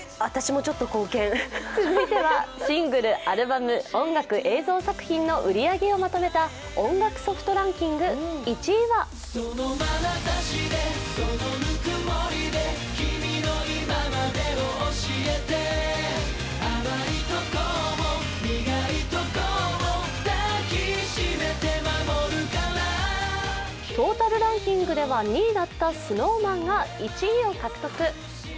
続いてはシングル、アルバム音楽映像作品の売り上げをまとめた音楽ソフトランキング１位はトータルランキングでは２位だったＳｎｏｗＭａｎが１位を獲得。